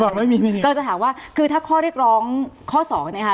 บอกคุณว่าจะถามว่าคือถ้าข้อเรียกร้องข้อสองในค่ะ